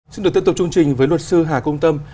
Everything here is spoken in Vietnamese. xin được tiếp tục chương trình với luật sư hà công tâm